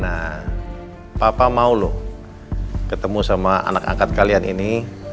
nah papa mau loh ketemu sama anak angkat kalian ini